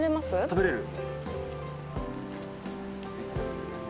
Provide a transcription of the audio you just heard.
食べれる。